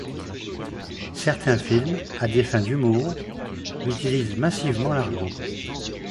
Certains films, à des fins d'humour, utilisent massivement l'argot.